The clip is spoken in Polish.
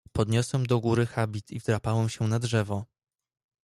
"Podniosłem do góry habit i wdrapałem się na drzewo."